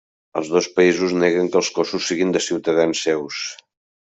Els dos països neguen que els cossos siguin de ciutadans seus.